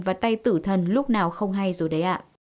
và tay tử thần lúc nào không hay rồi đấy ạ